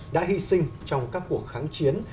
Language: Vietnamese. đã hy sinh trong các cuộc kháng chiến